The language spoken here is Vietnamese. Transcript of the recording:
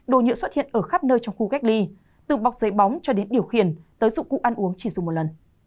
đồ nhựa xuất hiện ở khắp nơi trong khu cách ly từ bọc giấy bóng cho đến điều khiển tới dụng cụ ăn uống chỉ dùng một lần